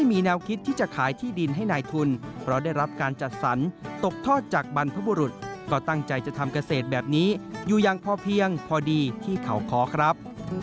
มะระหวานครับ